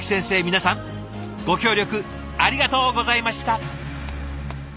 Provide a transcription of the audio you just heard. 皆さんご協力ありがとうございました。